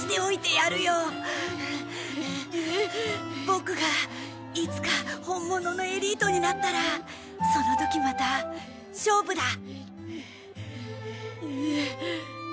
ボクがいつか本物のエリートになったらその時また勝負だ！